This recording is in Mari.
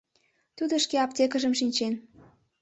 Тудо шке аптекыжым шинчен.